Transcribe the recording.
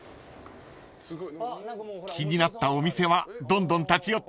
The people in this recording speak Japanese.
［気になったお店はどんどん立ち寄ってください］